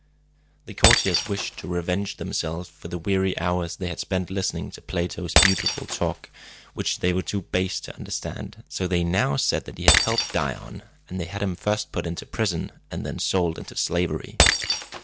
The courtiers wished to revenge themselves for the weary hours they had spent listening to Plato's beautiful talk, which they were too base to understand, so they now said that he had helped Dion; and they had him first put into prison, and then sold into slavery.